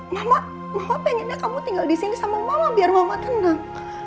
mama mama pengennya kamu tinggal di sini sama mama biar mama tenang